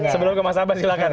sebelum ke mas abbas silahkan